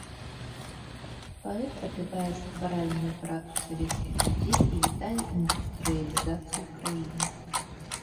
Паэт апявае стваральную працу савецкіх людзей і вітае індустрыялізацыю краіны.